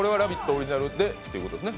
オリジナルでということね。